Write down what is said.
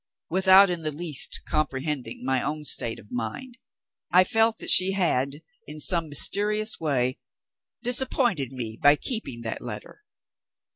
Without in the least comprehending my own state of mind, I felt that she had, in some mysterious way, disappointed me by keeping that letter.